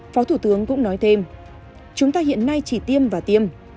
phó thủ tướng cũng nói thêm chúng ta hiện nay chỉ tiêm và tiêm